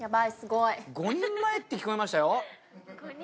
５人前って聞こえましたよ。